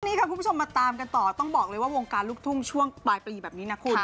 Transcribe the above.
วันนี้ค่ะคุณผู้ชมมาตามกันต่อต้องบอกเลยว่าวงการลูกทุ่งช่วงปลายปีแบบนี้นะคุณ